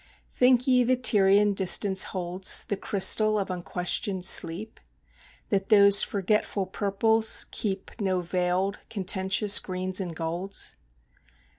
Think ye the Tyrian distance holds The crystal of unquestioned sleep? That those forgetful purples keep No veiled, contentious greens and golds?